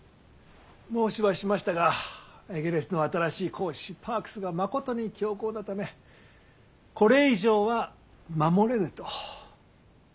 申しはしましたがエゲレスの新しい公使パークスがまことに強硬なためこれ以上は守れぬと。